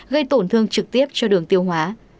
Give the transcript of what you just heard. gây tổn thương trực tiếp cho đường tiêu hóa